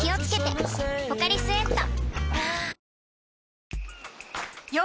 「ポカリスエット」